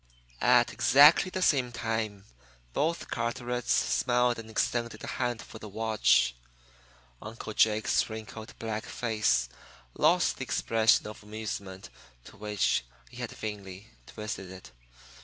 At exactly the same time both Carterets smiled and extended a hand for the watch. Uncle Jake's wrinkled, black face lost the expression of amusement to which he had vainly twisted it.